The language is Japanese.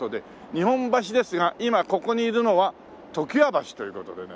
日本橋ですが今ここにいるのは常磐橋という事でね。